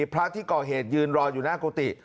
พระที่ก่อเหตุยืนรออยู่หน้ากุฏิ